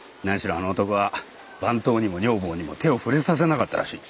あの男は番頭にも女房にも手を触れさせなかったらしい。